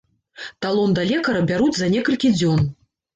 Талон да лекара бяруць за некалькі дзён.